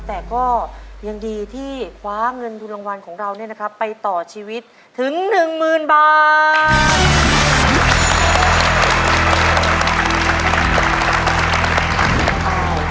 แต่ก็ยังดีที่คว้าเงินทุนรางวัลของเราไปต่อชีวิตถึง๑๐๐๐บาท